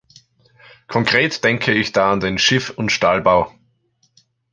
Konkret denke ich da an den Schiff- und Stahlbau.